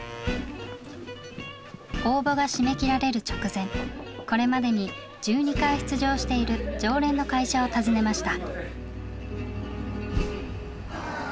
応募が締め切られる直前これまでに１２回出場している常連の会社を訪ねました。